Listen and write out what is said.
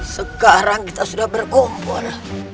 sekarang kita sudah berkumpul